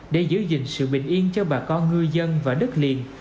để giữ gìn sự bình yên cho bà con ngư dân và đất liền